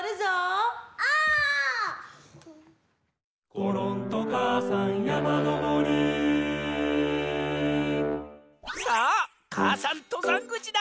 「ころんとかあさんやまのぼり」さあ母山とざんぐちだ。